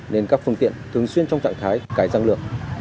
nên các phương tiện thường xuyên trong trạng thái cải giang lược